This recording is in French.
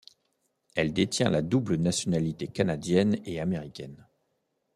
Elle détient la double nationalité canadienne et américaine.